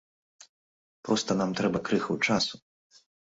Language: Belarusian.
Проста нам трэба крыху часу.